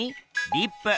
リップ。